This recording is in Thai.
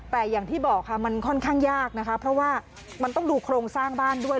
แต่อย่างที่บอกค่ะมันค่อนข้างยากนะคะเพราะว่ามันต้องดูโครงสร้างบ้านด้วย